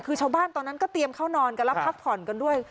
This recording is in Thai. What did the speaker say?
คือชาวบ้านตอนนั้นก็เตรียมเข้านอนกันแล้วพักผ่อนกันด้วย